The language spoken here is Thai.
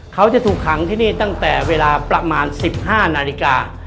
เขาจะถูกขังที่นี่ตั้งแต่เวลาประมาณ๑๕นาฬิกา